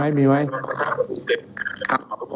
ครับก็เดี๋ยวเชิญพี่น้องสมุทรจะสอบถามนะโจ้เต็มใจจะตอบคำถามไหม